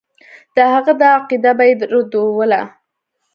د هغه دا عقیده به یې ردوله.